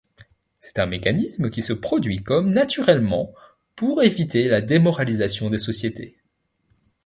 C'est un mécanisme qui se produit comme naturellement pour éviter la démoralisation des sociétés.